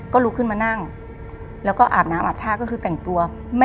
ก็ลุกขึ้นมานั่งแล้วก็อาบน้ำอาบท่าก็คือแต่งตัว